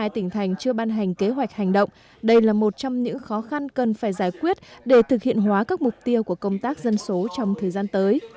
một mươi tỉnh thành chưa ban hành kế hoạch hành động đây là một trong những khó khăn cần phải giải quyết để thực hiện hóa các mục tiêu của công tác dân số trong thời gian tới